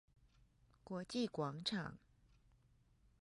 國際廣場